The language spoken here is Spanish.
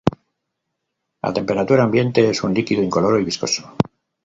A temperatura ambiente es un líquido incoloro y viscoso.